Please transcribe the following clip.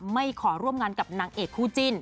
ไม่ขอร่วมงานกับนางเอกคู่จิ้น